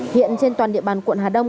hiện trên toàn địa bàn quận hà đông